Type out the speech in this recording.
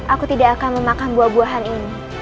aku tidak akan memakan buah buahan ini